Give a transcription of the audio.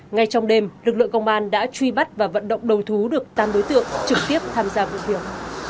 ngay trong đêm lực lượng công an đã truy bắt và vận động đầu thú được tám đối tượng trực tiếp tham gia vụ việc